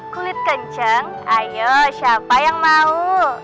kulit kenceng ayo siapa yang mau